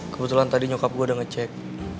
kebetulan tadi nyokap gue udah ngecek